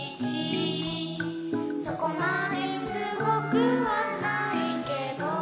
「そこまですごくはないけど」